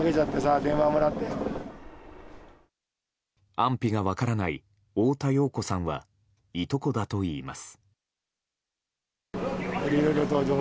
安否が分からない太田洋子さんはいとこだといいます。